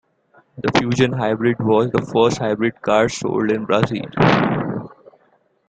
The Fusion Hybrid was the first full hybrid car sold in Brazil.